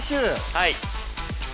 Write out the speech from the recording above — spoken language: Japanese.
はい。